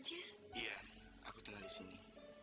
kamu tinggal di sini